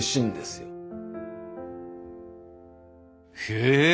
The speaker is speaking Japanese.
へえ！